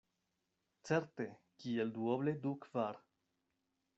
Certe, kiel duoble du kvar.